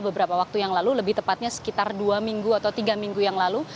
beberapa waktu yang lalu lebih tepatnya sekitar dua minggu atau tiga minggu yang lalu